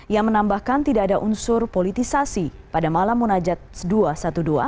yang menambahkan tidak ada unsur politisasi pada malam munajat dua ratus dua belas